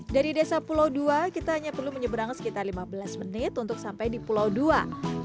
dari desa pulau dua kita hanya perlu menyeberang sekitar lima belas menit untuk sampai di pulau dua